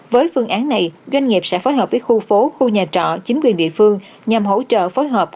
với phương án này doanh nghiệp sẽ phối hợp với khu phố khu nhà trọ chính quyền địa phương nhằm hỗ trợ phối hợp